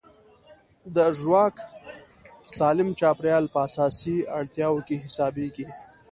د ژواک سالم چاپېریال په اساسي اړتیاوو کې حسابېږي.